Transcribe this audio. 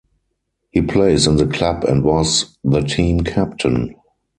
He plays in the club and was the team captain.